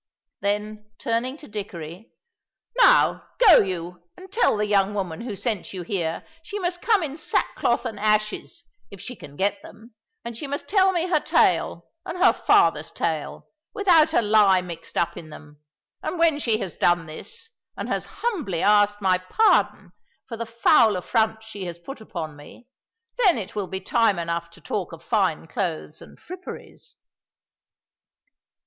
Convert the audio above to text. Then turning to Dickory: "Now, go you, and tell the young woman who sent you here she must come in sackcloth and ashes, if she can get them, and she must tell me her tale and her father's tale, without a lie mixed up in them; and when she has done this, and has humbly asked my pardon for the foul affront she has put upon me, then it will be time enough to talk of fine clothes and fripperies."